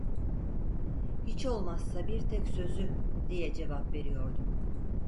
Hiç olmazsa bir tek sözü… diye cevap veriyordum.